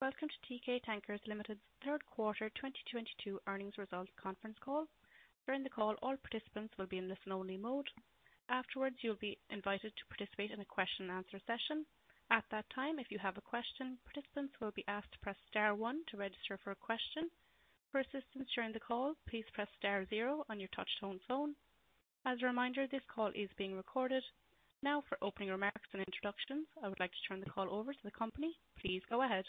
Welcome to Teekay Tankers Ltd. third quarter 2022 earnings results conference call. During the call, all participants will be in listen only mode. Afterwards, you'll be invited to participate in a question and answer session. At that time, if you have a question, participants will be asked to press star one to register for a question. For assistance during the call, please press star zero on your touch tone phone. As a reminder, this call is being recorded. Now for opening remarks and introductions, I would like to turn the call over to the company. Please go ahead.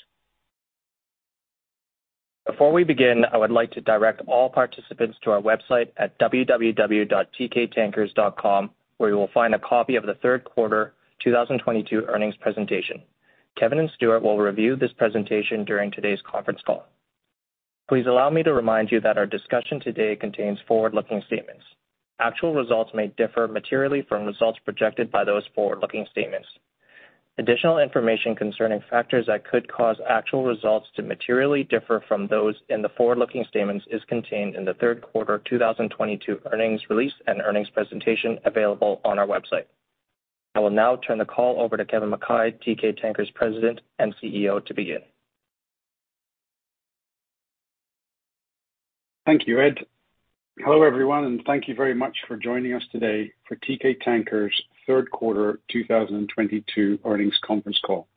Before we begin, I would like to direct all participants to our website at www.teekay.com, where you will find a copy of the third quarter 2022 earnings presentation. Kevin and Stewart will review this presentation during today's conference call. Please allow me to remind you that our discussion today contains forward-looking statements. Actual results may differ materially from results projected by those forward-looking statements. Additional information concerning factors that could cause actual results to materially differ from those in the forward-looking statements is contained in the third quarter 2022 earnings release and earnings presentation available on our website. I will now turn the call over to Kevin Mackay, Teekay Tankers President and CEO to begin. Thank you, Ed. Hello, everyone, and thank you very much for joining us today for Teekay Tankers third quarter 2022 earnings conference call.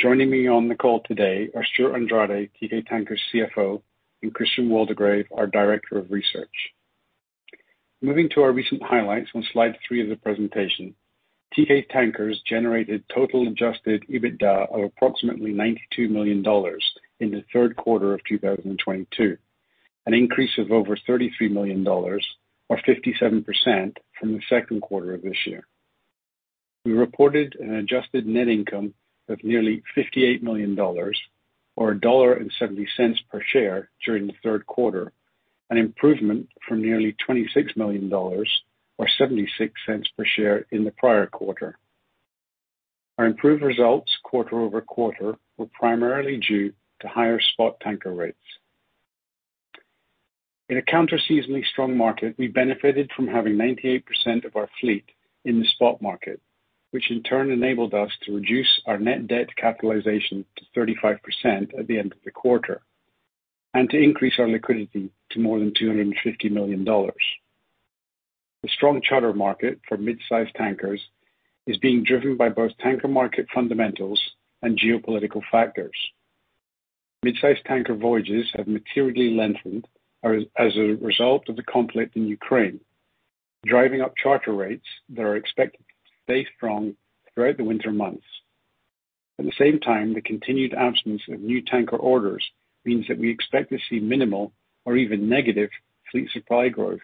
Joining me on the call today are Stewart Andrade, Teekay Tankers CFO, and Christian Waldegrave, our Director of Research. Moving to our recent highlights on slide 3 of the presentation, Teekay Tankers generated total Adjusted EBITDA of approximately $92 million in the third quarter of 2022, an increase of over $33 million or 57% from the second quarter of this year. We reported an adjusted net income of nearly $58 million or $1.70 per share during the third quarter, an improvement from nearly $26 million or $0.76 per share in the prior quarter. Our improved results quarter-over-quarter were primarily due to higher spot tanker rates. In a counter-seasonally strong market, we benefited from having 98% of our fleet in the spot market, which in turn enabled us to reduce our net debt capitalization to 35% at the end of the quarter, and to increase our liquidity to more than $250 million. The strong charter market for mid-size tankers is being driven by both tanker market fundamentals and geopolitical factors. Mid-size tanker voyages have materially lengthened as a result of the conflict in Ukraine, driving up charter rates that are expected to stay strong throughout the winter months. At the same time, the continued absence of new tanker orders means that we expect to see minimal or even negative fleet supply growth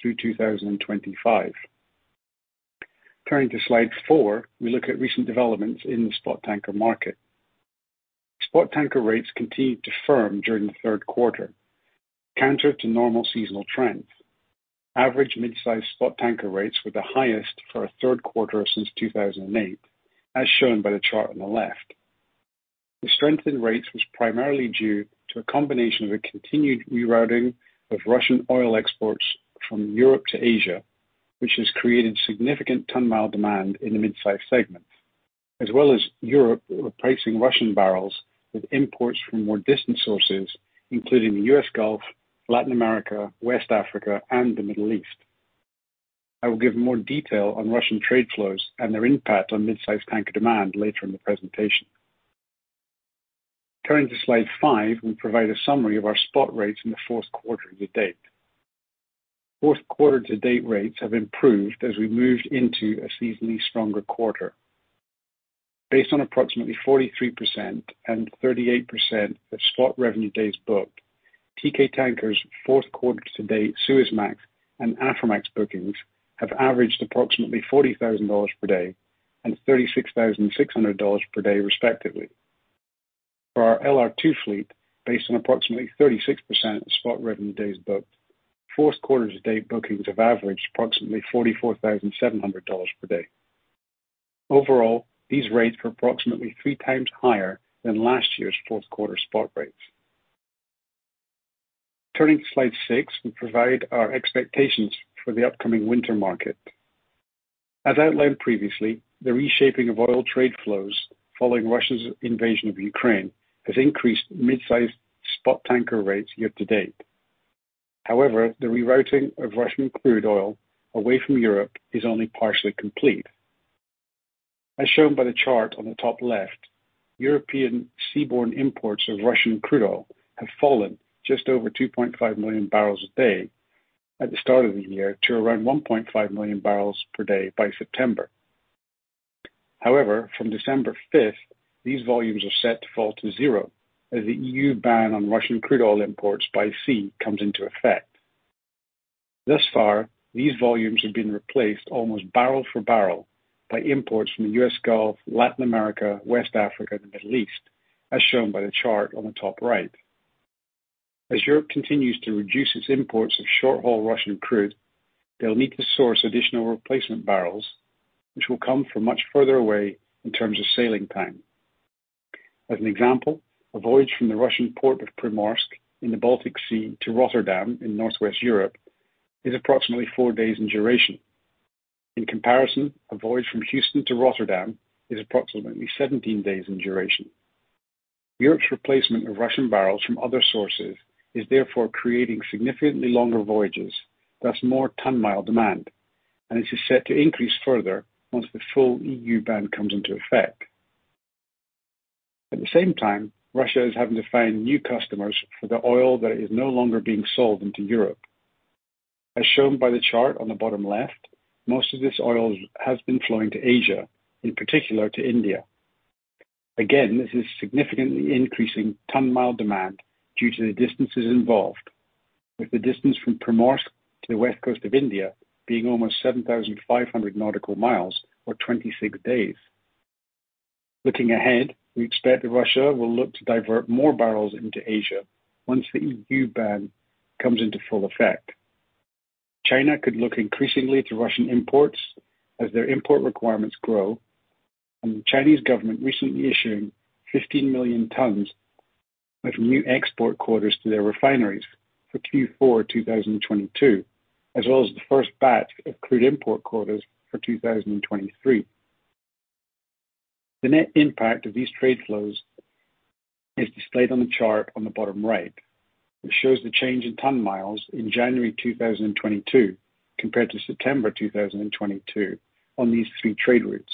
through 2025. Turning to slide 4, we look at recent developments in the spot tanker market. Spot tanker rates continued to firm during the third quarter. Counter to normal seasonal trends, average mid-size spot tanker rates were the highest for a third quarter since 2008, as shown by the chart on the left. The strength in rates was primarily due to a combination of a continued rerouting of Russian oil exports from Europe to Asia, which has created significant ton-mile demand in the mid-size segment, as well as Europe replacing Russian barrels with imports from more distant sources, including the U.S. Gulf, Latin America, West Africa, and the Middle East. I will give more detail on Russian trade flows and their impact on mid-size tanker demand later in the presentation. Turning to slide 5, we provide a summary of our spot rates in the fourth quarter to date. Fourth quarter to date rates have improved as we moved into a seasonally stronger quarter. Based on approximately 43% and 38% of spot revenue days booked, Teekay Tankers fourth quarter to date, Suezmax and Aframax bookings have averaged approximately $40,000 per day and $36,600 per day, respectively. For our LR2 fleet, based on approximately 36% of spot revenue days booked, fourth quarter to date bookings have averaged approximately $44,700 per day. Overall, these rates were approximately three times higher than last year's fourth quarter spot rates. Turning to slide six, we provide our expectations for the upcoming winter market. As outlined previously, the reshaping of oil trade flows following Russia's invasion of Ukraine has increased mid-size spot tanker rates year to date. However, the rerouting of Russian crude oil away from Europe is only partially complete. As shown by the chart on the top left, European seaborne imports of Russian crude oil have fallen just over 2.5 million barrels a day at the start of the year to around 1.5 million barrels per day by September. However, from December fifth, these volumes are set to fall to 0 as the EU ban on Russian crude oil imports by sea comes into effect. Thus far, these volumes have been replaced almost barrel for barrel by imports from the U.S. Gulf, Latin America, West Africa, and the Middle East, as shown by the chart on the top right. As Europe continues to reduce its imports of short-haul Russian crude, they'll need to source additional replacement barrels, which will come from much further away in terms of sailing time. As an example, a voyage from the Russian port of Primorsk in the Baltic Sea to Rotterdam in Northwest Europe is approximately 4 days in duration. In comparison, a voyage from Houston to Rotterdam is approximately 17 days in duration. Europe's replacement of Russian barrels from other sources is therefore creating significantly longer voyages, thus more ton-mile demand, and this is set to increase further once the full EU ban comes into effect. At the same time, Russia is having to find new customers for the oil that is no longer being sold into Europe. As shown by the chart on the bottom left, most of this oil has been flowing to Asia, in particular to India. Again, this is significantly increasing ton-mile demand due to the distances involved with the distance from Primorsk to the West Coast of India being almost 7,500 nautical miles or 26 days. Looking ahead, we expect that Russia will look to divert more barrels into Asia once the EU ban comes into full effect. China could look increasingly to Russian imports as their import requirements grow, and the Chinese government recently issuing 15 million tons of new export quotas to their refineries for Q4 2022, as well as the first batch of crude import quotas for 2023. The net impact of these trade flows is displayed on the chart on the bottom right, which shows the change in ton-miles in January 2022 compared to September 2022 on these three trade routes.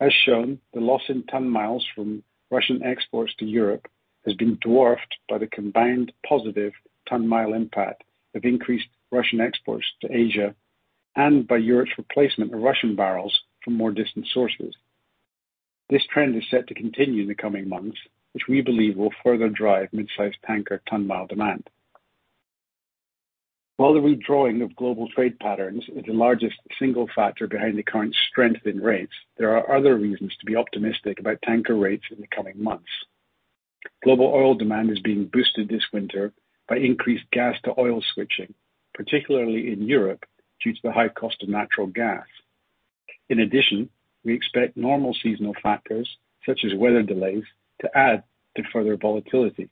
As shown, the loss in ton-mile from Russian exports to Europe has been dwarfed by the combined positive ton-mile impact of increased Russian exports to Asia and by Europe's replacement of Russian barrels from more distant sources. This trend is set to continue in the coming months, which we believe will further drive mid-size tanker ton-mile demand. While the redrawing of global trade patterns is the largest single factor behind the current strength in rates, there are other reasons to be optimistic about tanker rates in the coming months. Global oil demand is being boosted this winter by increased gas-to-oil switching, particularly in Europe, due to the high cost of natural gas. In addition, we expect normal seasonal factors such as weather delays to add to further volatility.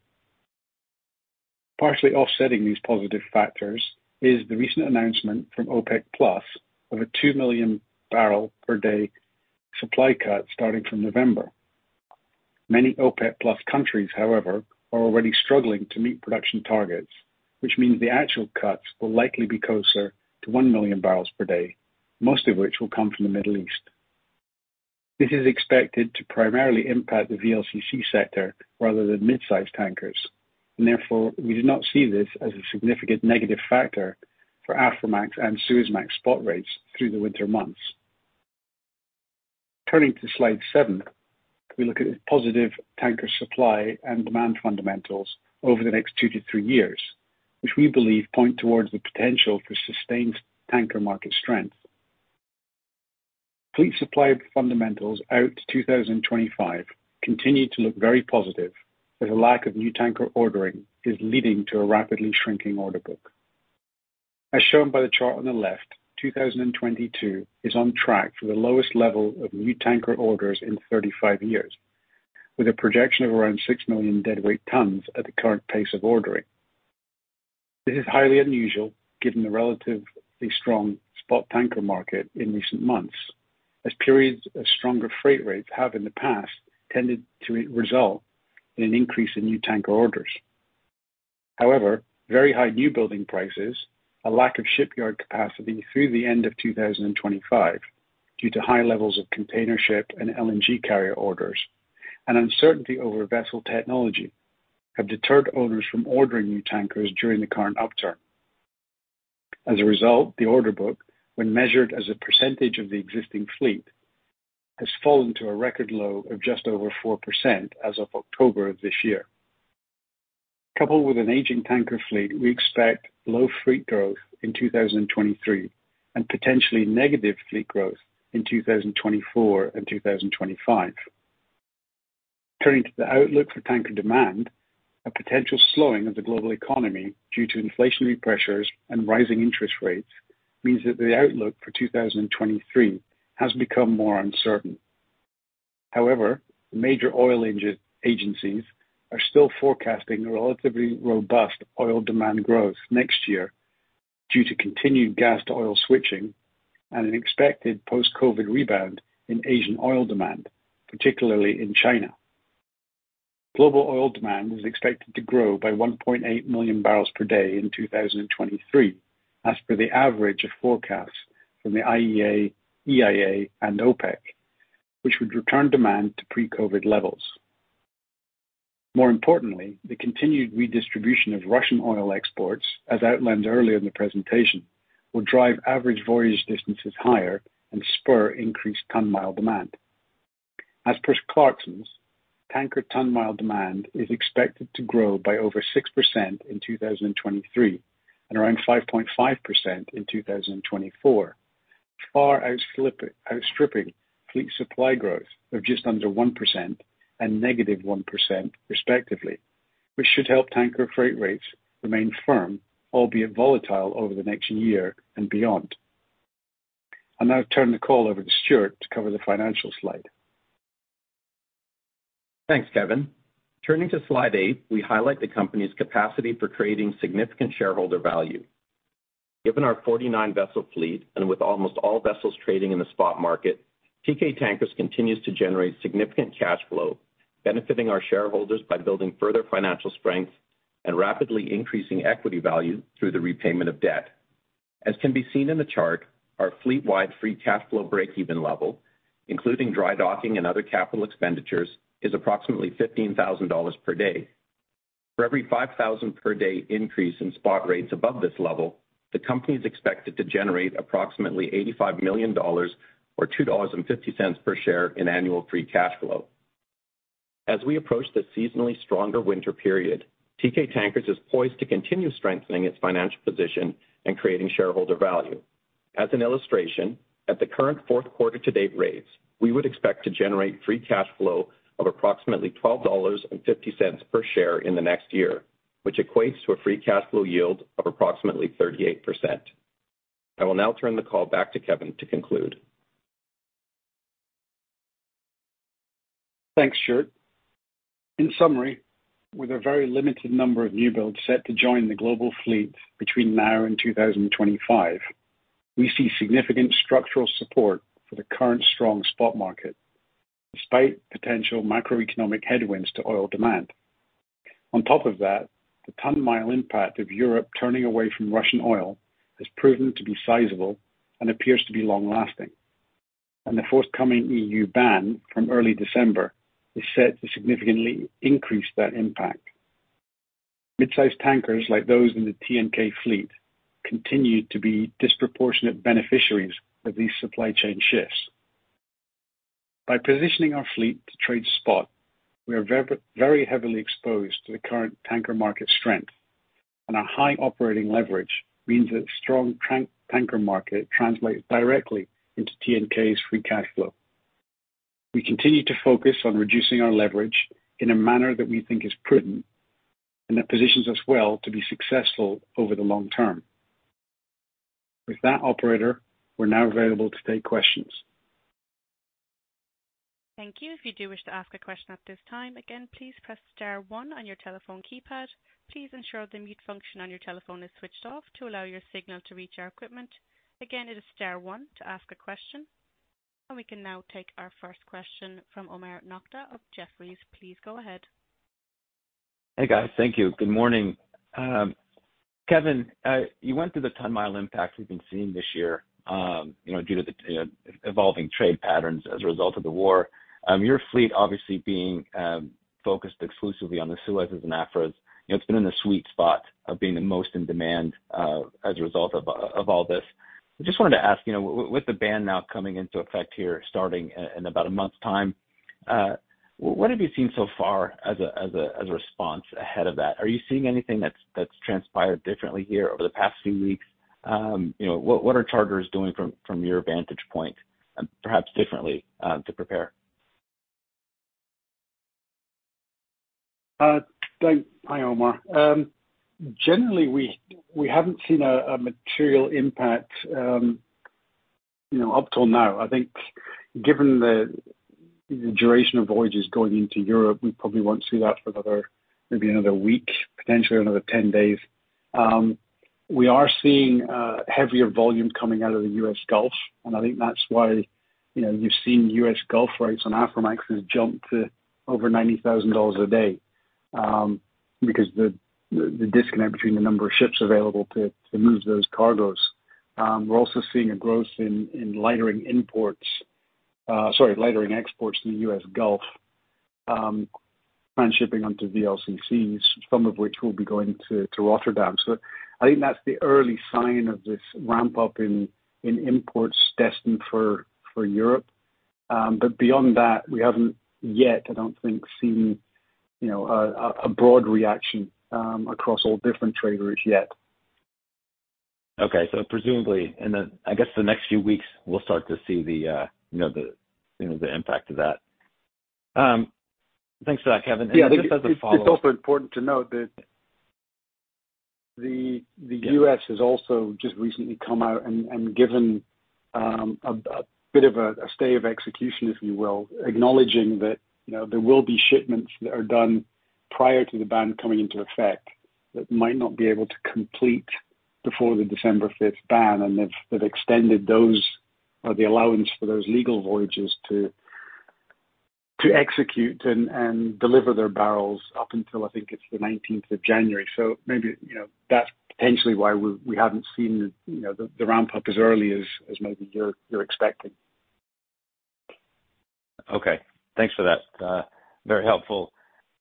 Partially offsetting these positive factors is the recent announcement from OPEC+ of a 2 million barrels per day supply cut starting from November. Many OPEC+ countries, however, are already struggling to meet production targets, which means the actual cuts will likely be closer to 1 million barrels per day, most of which will come from the Middle East. This is expected to primarily impact the VLCC sector rather than mid-size tankers, and therefore we do not see this as a significant negative factor for Aframax and Suezmax spot rates through the winter months. Turning to slide 7. We look at the positive tanker supply and demand fundamentals over the next 2-3 years, which we believe point towards the potential for sustained tanker market strength. Fleet supply fundamentals out to 2025 continue to look very positive as a lack of new tanker ordering is leading to a rapidly shrinking order book. As shown by the chart on the left, 2022 is on track for the lowest level of new tanker orders in 35 years, with a projection of around 6 million deadweight tons at the current pace of ordering. This is highly unusual given the relatively strong spot tanker market in recent months, as periods of stronger freight rates have in the past tended to result in an increase in new tanker orders. However, very high new building prices, a lack of shipyard capacity through the end of 2025 due to high levels of container ship and LNG carrier orders, and uncertainty over vessel technology have deterred owners from ordering new tankers during the current uptick. As a result, the order book, when measured as a percentage of the existing fleet, has fallen to a record low of just over 4% as of October of this year. Coupled with an aging tanker fleet, we expect low fleet growth in 2023 and potentially negative fleet growth in 2024 and 2025. Turning to the outlook for tanker demand, a potential slowing of the global economy due to inflationary pressures and rising interest rates means that the outlook for 2023 has become more uncertain. However, major oil agencies are still forecasting a relatively robust oil demand growth next year due to continued gas-to-oil switching and an expected post-COVID rebound in Asian oil demand, particularly in China. Global oil demand is expected to grow by 1.8 million barrels per day in 2023, as per the average of forecasts from the IEA, EIA, and OPEC, which would return demand to pre-COVID levels. More importantly, the continued redistribution of Russian oil exports, as outlined earlier in the presentation, will drive average voyage distances higher and spur increased ton-mile demand. As per Clarksons, tanker ton-mile demand is expected to grow by over 6% in 2023 and around 5.5% in 2024, far outstripping fleet supply growth of just under 1% and negative 1% respectively, which should help tanker freight rates remain firm albeit volatile over the next year and beyond. I'll now turn the call over to Stewart to cover the financial slide. Thanks, Kevin. Turning to slide eight, we highlight the company's capacity for creating significant shareholder value. Given our 49 vessel fleet, and with almost all vessels trading in the spot market, Teekay Tankers continues to generate significant cash flow, benefiting our shareholders by building further financial strength and rapidly increasing equity value through the repayment of debt. As can be seen in the chart, our fleet-wide cash flow break-even point level, including dry docking and other capital expenditures, is approximately $15,000 per day. For every $5,000 per day increase in spot rates above this level, the company is expected to generate approximately $85 million or $2.50 per share in annual free cash flow. As we approach the seasonally stronger winter period, Teekay Tankers is poised to continue strengthening its financial position and creating shareholder value. As an illustration, at the current fourth quarter to date rates, we would expect to generate free cash flow of approximately $12.50 per share in the next year, which equates to a free cash flow yield of approximately 38%. I will now turn the call back to Kevin to conclude. Thanks, Stewart. In summary, with a very limited number of new builds set to join the global fleet between now and 2025, we see significant structural support for the current strong spot market, despite potential macroeconomic headwinds to oil demand. On top of that, the ton-mile impact of Europe turning away from Russian oil has proven to be sizable and appears to be long-lasting, and the forthcoming EU ban from early December is set to significantly increase that impact. Mid-sized tankers like those in the TNK fleet continue to be disproportionate beneficiaries of these supply chain shifts. By positioning our fleet to trade spot, we are very heavily exposed to the current tanker market strength, and our high operating leverage means that strong tanker market translates directly into TNK's free cash flow. We continue to focus on reducing our leverage in a manner that we think is prudent and that positions us well to be successful over the long term. With that, operator, we're now available to take questions. Thank you. If you do wish to ask a question at this time, again, please press star one on your telephone keypad. Please ensure the mute function on your telephone is switched off to allow your signal to reach our equipment. Again, it is star one to ask a question. We can now take our first question from Omar Nokta of Jefferies. Please go ahead. Hey, guys. Thank you. Good morning. Kevin, you went through the ton-mile impact we've been seeing this year, you know, due to the evolving trade patterns as a result of the war. Your fleet obviously being focused exclusively on the Suezmax and Aframaxes, you know, it's been in the sweet spot of being the most in demand as a result of all this. I just wanted to ask, you know, with the ban now coming into effect here starting in about a month's time, what have you seen so far as a response ahead of that? Are you seeing anything that's transpired differently here over the past few weeks? You know, what are charters doing from your vantage point, and perhaps differently to prepare? Hi, Omar. Generally, we haven't seen a material impact, you know, up till now. I think given the duration of voyages going into Europe, we probably won't see that for another, maybe another week, potentially another 10 days. We are seeing heavier volume coming out of the US Gulf, and I think that's why, you know, you've seen US Gulf rates on Aframaxes jump to over $90,000 a day, because the disconnect between the number of ships available to move those cargoes. We're also seeing a growth in lightering exports in the US Gulf, transshipping onto VLCCs, some of which will be going to Rotterdam. I think that's the early sign of this ramp up in imports destined for Europe. Beyond that, we haven't yet, I don't think, seen, you know, a broad reaction across all different traders yet. Okay. Presumably in the, I guess, next few weeks, we'll start to see the, you know, impact of that. Thanks for that, Kevin. Yeah. Just as a follow-up. It's also important to note that the U.S. has also just recently come out and given a bit of a stay of execution, if you will, acknowledging that, you know, there will be shipments that are done prior to the ban coming into effect that might not be able to complete before the December fifth ban, and they've extended those, or the allowance for those legal voyages to execute and deliver their barrels up until I think it's the nineteenth of January. Maybe, you know, that's potentially why we haven't seen, you know, the ramp-up as early as maybe you're expecting. Okay. Thanks for that. Very helpful.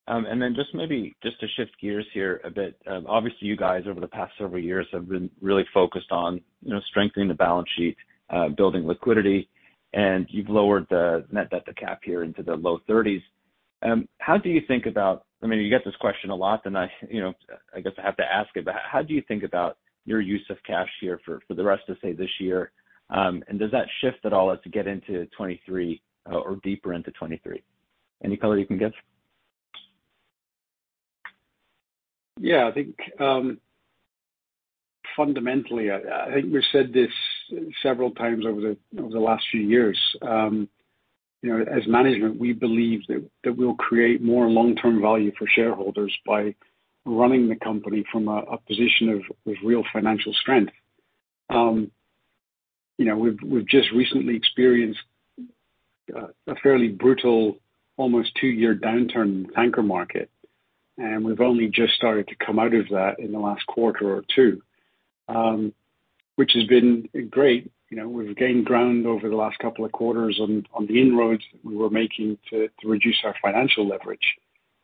And then just maybe to shift gears here a bit, obviously you guys over the past several years have been really focused on, you know, strengthening the balance sheet, building liquidity, and you've lowered the net debt to cap here into the low thirties. How do you think about your use of cash here for the rest of, say, this year? And does that shift at all as we get into 2023, or deeper into 2023? Any color you can give? Yeah, I think, fundamentally, I think we've said this several times over the last few years. You know, as management, we believe that we'll create more long-term value for shareholders by running the company from a position of real financial strength. You know, we've just recently experienced a fairly brutal almost 2-year downturn tanker market, and we've only just started to come out of that in the last quarter or 2, which has been great. You know, we've gained ground over the last couple of quarters on the inroads we were making to reduce our financial leverage,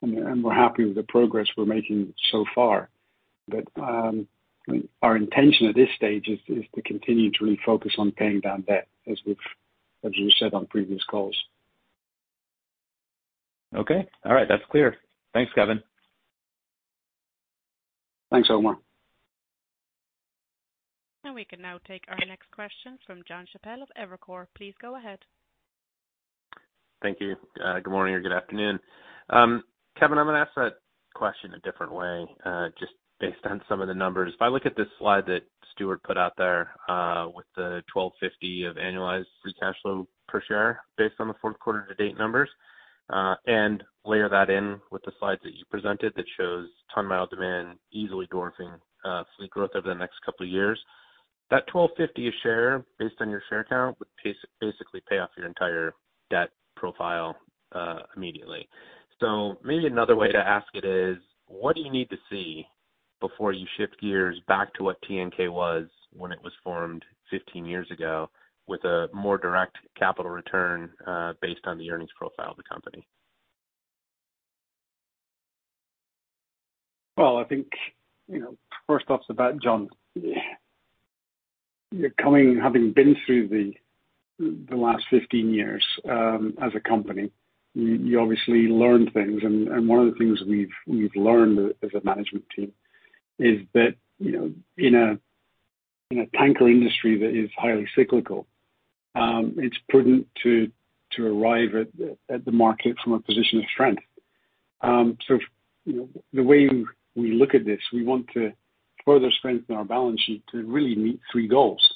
and we're happy with the progress we're making so far. Our intention at this stage is to continue to really focus on paying down debt as you said on previous calls. Okay. All right. That's clear. Thanks, Kevin. Thanks, Omar. We can now take our next question from Jon Chappell of Evercore ISI. Please go ahead. Thank you. Good morning or good afternoon. Kevin, I'm gonna ask that question a different way, just based on some of the numbers. If I look at this slide that Stewart put out there, with the $12.50 of annualized free cash flow per share based on the fourth quarter to date numbers, and layer that in with the slides that you presented that shows ton-mile demand easily dwarfing, fleet growth over the next couple of years, that $12.50 a share based on your share count would basically pay off your entire debt profile, immediately. Maybe another way to ask it is, what do you need to see before you shift gears back to what TNK was when it was formed 15 years ago with a more direct capital return, based on the earnings profile of the company? Well, I think, you know, first off the bat, Jon, having been through the last 15 years, as a company, you obviously learn things. One of the things we've learned as a management team is that, you know, in a tanker industry that is highly cyclical, it's prudent to arrive at the market from a position of strength. You know, the way we look at this, we want to further strengthen our balance sheet to really meet three goals.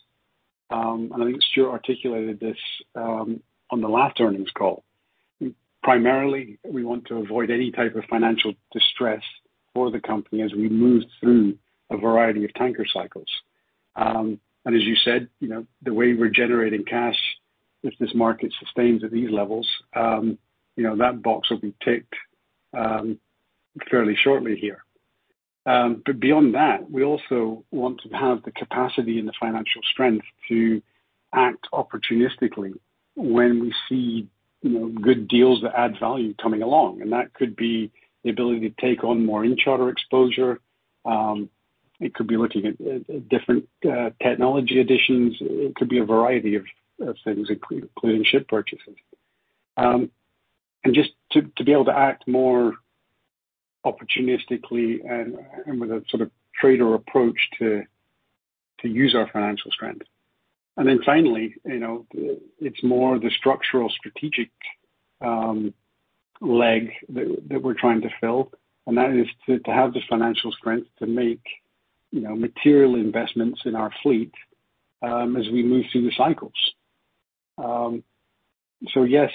I think Stewart articulated this on the last earnings call. Primarily, we want to avoid any type of financial distress for the company as we move through a variety of tanker cycles. As you said, you know, the way we're generating cash, if this market sustains at these levels, you know, that box will be ticked fairly shortly here. Beyond that, we also want to have the capacity and the financial strength to act opportunistically when we see, you know, good deals that add value coming along. That could be the ability to take on more in-charter exposure. It could be looking at different technology additions. It could be a variety of things, including ship purchases. Just to be able to act more opportunistically and with a sort of trader approach to use our financial strength. Finally, you know, it's more the structural strategic leg that we're trying to fill, and that is to have the financial strength to make, you know, material investments in our fleet, as we move through the cycles. Yes,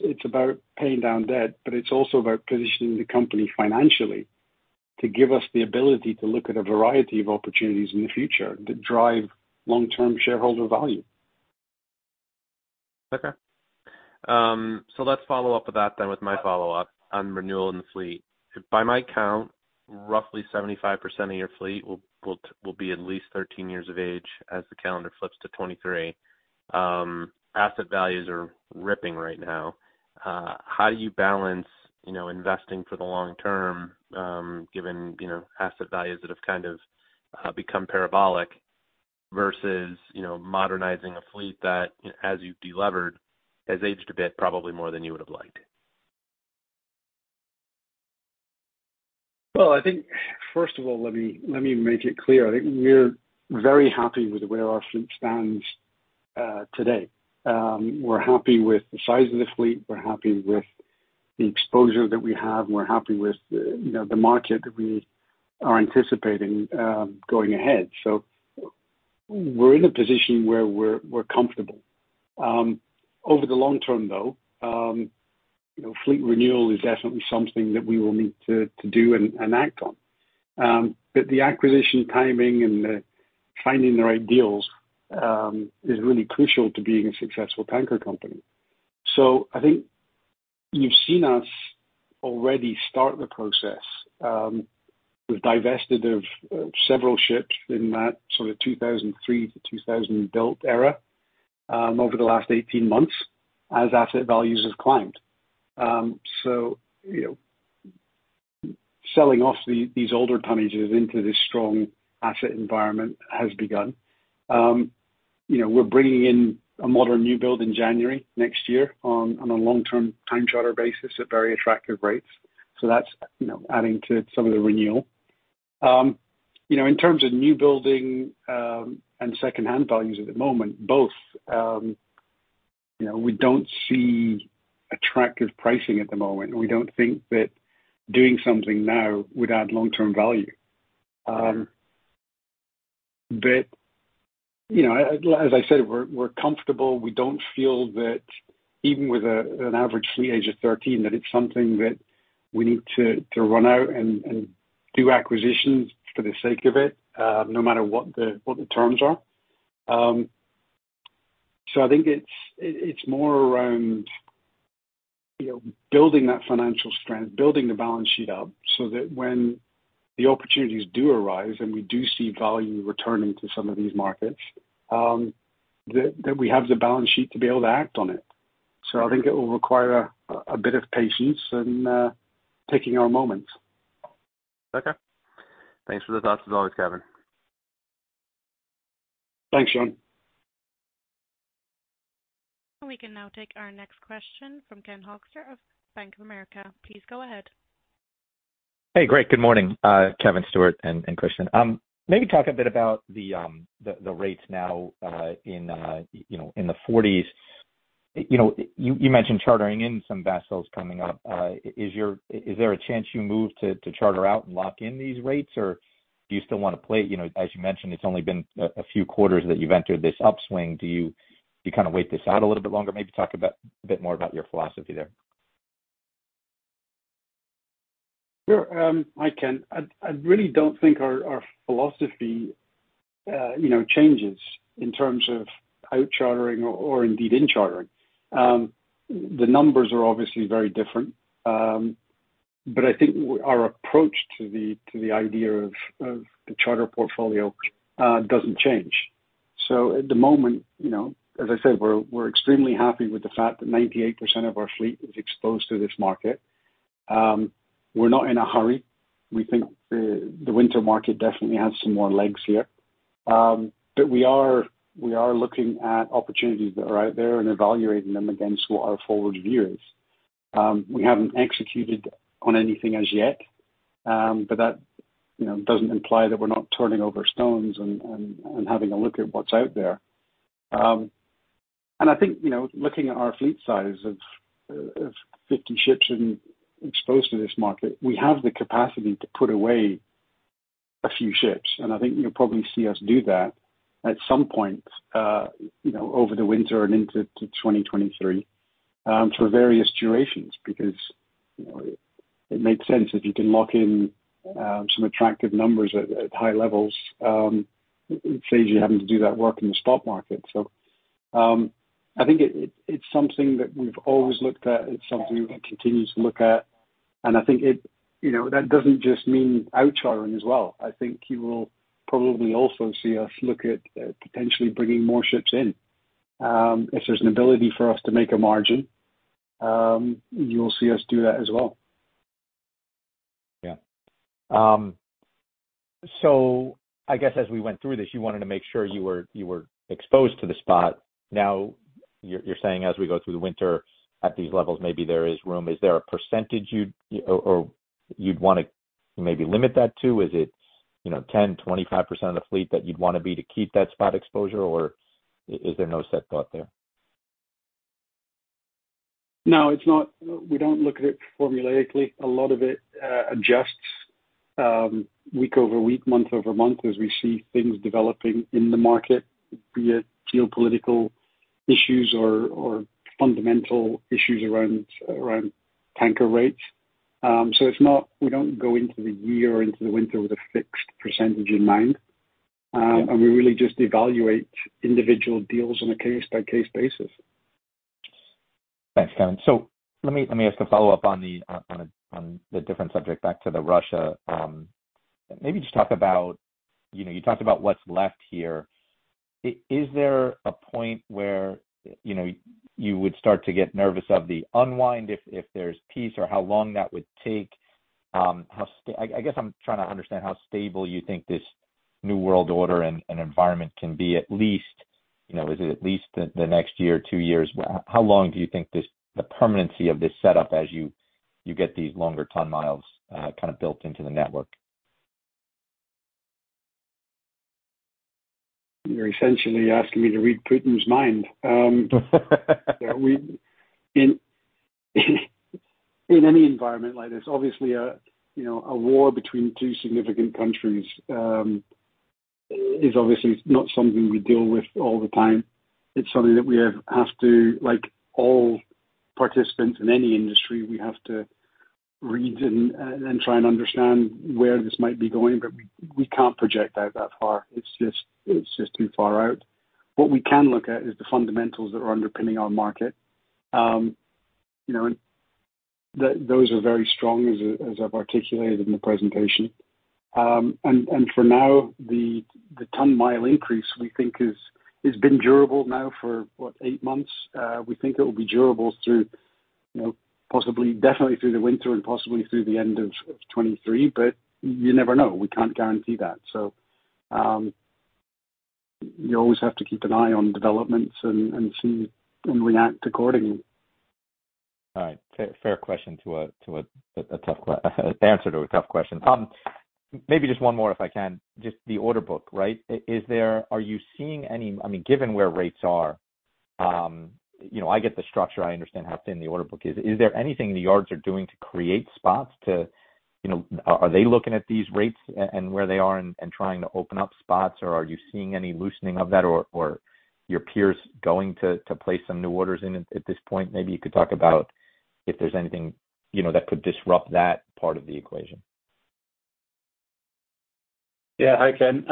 it's about paying down debt, but it's also about positioning the company financially to give us the ability to look at a variety of opportunities in the future that drive long-term shareholder value. Okay. Let's follow up with that then with my follow-up on renewal in the fleet. By my count, roughly 75% of your fleet will be at least 13 years of age as the calendar flips to 2023. Asset values are ripping right now. How do you balance, you know, investing for the long term, given, you know, asset values that have kind of become parabolic versus, you know, modernizing a fleet that as you've delevered, has aged a bit probably more than you would have liked? Well, I think first of all, let me make it clear. I think we're very happy with where our fleet stands, today. We're happy with the size of the fleet. We're happy with the exposure that we have. We're happy with, you know, the market that we are anticipating, going ahead. We're in a position where we're comfortable. Over the long term though, you know, fleet renewal is definitely something that we will need to do and act on. The acquisition timing and the finding the right deals is really crucial to being a successful tanker company. I think you've seen us already start the process. We've divested of several ships in that sort of 2003 to 2000 built era over the last 18 months as asset values have climbed. You know, selling off these older tonnages into this strong asset environment has begun. You know, we're bringing in a modern new build in January next year on a long-term time charter basis at very attractive rates. That's, you know, adding to some of the renewal. You know, in terms of new building and secondhand values at the moment, both. You know, we don't see attractive pricing at the moment, and we don't think that doing something now would add long-term value. You know, as I said, we're comfortable. We don't feel that even with an average fleet age of 13, that it's something that we need to run out and do acquisitions for the sake of it, no matter what the terms are. I think it's more around, you know, building that financial strength, building the balance sheet up so that when the opportunities do arise and we do see value returning to some of these markets, that we have the balance sheet to be able to act on it. I think it will require a bit of patience and picking our moments. Okay. Thanks for the thoughts as always, Kevin. Thanks, Jon Chappell. We can now take our next question from Ken Hoexter of Bank of America. Please go ahead. Hey, great. Good morning, Kevin, Stewart, and Christian. Maybe talk a bit about the rates now, you know, in the forties. You know, you mentioned chartering in some vessels coming up. Is there a chance you move to charter out and lock in these rates? Or do you still wanna play? You know, as you mentioned, it's only been a few quarters that you've entered this upswing. Do you kinda wait this out a little bit longer? Maybe talk a bit more about your philosophy there. Sure. Hi, Ken. I really don't think our philosophy changes in terms of out chartering or indeed in chartering. The numbers are obviously very different. I think our approach to the idea of the charter portfolio doesn't change. At the moment, you know, as I said, we're extremely happy with the fact that 98% of our fleet is exposed to this market. We're not in a hurry. We think the winter market definitely has some more legs here. We are looking at opportunities that are out there and evaluating them against what our forward view is. We haven't executed on anything as yet, but that, you know, doesn't imply that we're not turning over stones and having a look at what's out there. I think, you know, looking at our fleet size of 50 ships and exposed to this market, we have the capacity to put away a few ships, and I think you'll probably see us do that at some point, you know, over the winter and into 2023, for various durations, because, you know, it makes sense if you can lock in some attractive numbers at high levels, saves you having to do that work in the spot market. I think it's something that we've always looked at. It's something we continue to look at, and I think it. You know, that doesn't just mean out chartering as well. I think you will probably also see us look at, potentially bringing more ships in. If there's an ability for us to make a margin, you'll see us do that as well. Yeah. I guess as we went through this, you wanted to make sure you were exposed to the spot. Now you're saying as we go through the winter at these levels, maybe there is room. Is there a percentage you'd want to maybe limit that to? Is it, you know, 10, 25% of the fleet that you'd want to be to keep that spot exposure, or is there no set thought there? No, it's not. We don't look at it formulaically. A lot of it adjusts week-over-week, month-over-month, as we see things developing in the market, be it geopolitical issues or fundamental issues around tanker rates. It's not. We don't go into the year or into the winter with a fixed percentage in mind. We really just evaluate individual deals on a case-by-case basis. Thanks, Kevin. Let me ask a follow-up on the different subject back to Russia. Maybe just talk about, you know, you talked about what's left here. Is there a point where, you know, you would start to get nervous of the unwind if there's peace or how long that would take? I guess I'm trying to understand how stable you think this new world order and environment can be at least, you know, is it at least the next year or two years? How long do you think this, the permanency of this setup as you get these longer ton miles kind of built into the network? You're essentially asking me to read Putin's mind. In any environment like this, obviously a war between two significant countries is obviously not something we deal with all the time. It's something that we have to, like all participants in any industry, we have to read and try and understand where this might be going, but we can't project out that far. It's just too far out. What we can look at is the fundamentals that are underpinning our market. Those are very strong as I've articulated in the presentation. For now the ton-mile increase we think is been durable now for eight months. We think it will be durable through, you know, possibly definitely through the winter and possibly through the end of 2023, but you never know. We can't guarantee that. You always have to keep an eye on developments and see and react accordingly. All right. Fair question to a tough answer to a tough question. Maybe just one more if I can. Just the order book, right? Are you seeing any? I mean, given where rates are, you know, I get the structure, I understand how thin the order book is. Is there anything the yards are doing to create spots, you know? Are they looking at these rates and where they are and trying to open up spots, or are you seeing any loosening of that or your peers going to place some new orders in at this point? Maybe you could talk about if there's anything, you know, that could disrupt that part of the equation. Hi, Ken.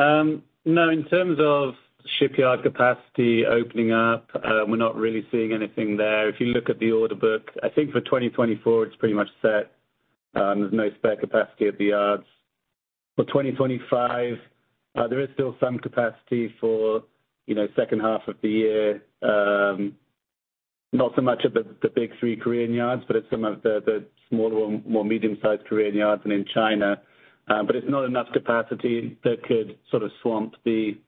No, in terms of shipyard capacity opening up, we're not really seeing anything there. If you look at the order book, I think for 2024 it's pretty much set. There's no spare capacity at the yards. For 2025, there is still some capacity for, you know, second half of the year. Not so much at the big three Korean yards, but at some of the smaller one, more medium-sized Korean yards and in China. But it's not enough capacity that could sort of swamp the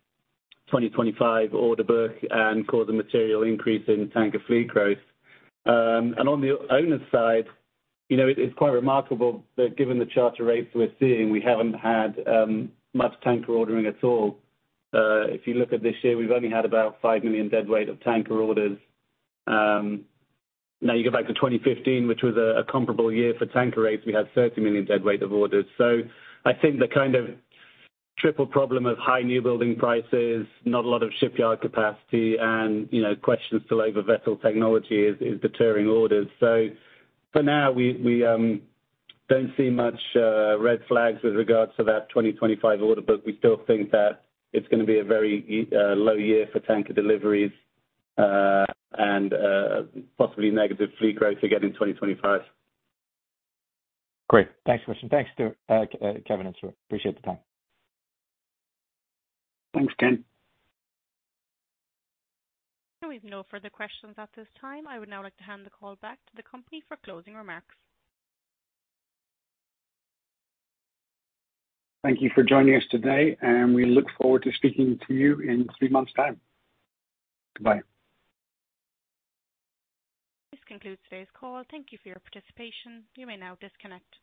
2025 order book and cause a material increase in tanker fleet growth. On the owner side, you know, it's quite remarkable that given the charter rates we're seeing, we haven't had much tanker ordering at all. If you look at this year, we've only had about 5 million deadweight of tanker orders. Now you go back to 2015, which was a comparable year for tanker rates, we had 30 million deadweight of orders. I think the kind of triple problem of high new building prices, not a lot of shipyard capacity and, you know, questions still over vessel technology is deterring orders. For now we don't see much red flags with regards to that 2025 order book. We still think that it's gonna be a very low year for tanker deliveries, and possibly negative fleet growth again in 2025. Great. Thanks for the question. Thanks to Kevin and Stewart. Appreciate the time. Thanks, Ken. There are no further questions at this time. I would now like to hand the call back to the company for closing remarks. Thank you for joining us today, and we look forward to speaking to you in three months' time. Goodbye. This concludes today's call. Thank you for your participation. You may now disconnect.